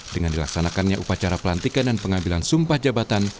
dengan dilaksanakannya upacara pelantikan dan pengambilan sumpah jabatan